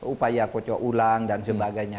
upaya kocok ulang dan sebagainya